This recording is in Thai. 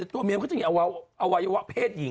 ตัวเมียมันก็จะมีอวัยวะเพศหญิง